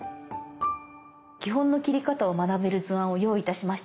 基本の切り方を学べる図案を用意いたしました。